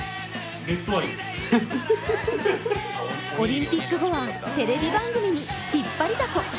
オリンピック後はテレビ番組に引っ張りだこ。